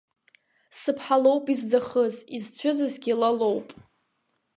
Сыԥҳа лоуп изӡахыз, изцәыӡызгьы ла лоуп.